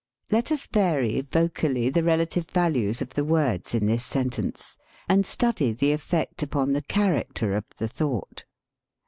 Let us vary, vocally, the relative values of the words in this sentence, and study the effect upon the character of the thought.